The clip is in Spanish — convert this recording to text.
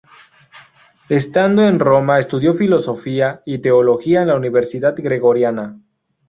Estando en Roma, estudió filosofía y teología en la Universidad Gregoriana.